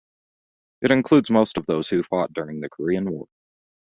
It includes most of those who fought during the Korean War.